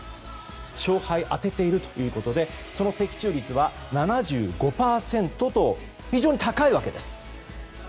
勝敗、当てているということでその的中率は７５％と非常に高いわけです。